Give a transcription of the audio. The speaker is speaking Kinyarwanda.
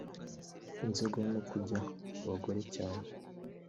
inzoga no kujya mu bagore cyane